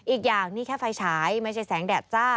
อีกอย่างนี่แค่ไฟฉายไม่ใช่แสงแดดจ้า